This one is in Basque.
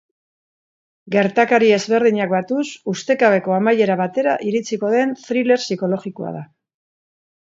Gertakari ezberdinak batuz, ustekabeko amaiera batera iritsiko den thriller psikologikoa da.